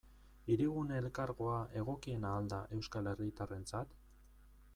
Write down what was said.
Hirigune Elkargoa egokiena al da euskal herritarrentzat?